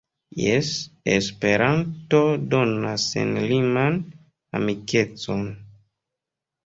Jes, Esperanto donas senliman amikecon!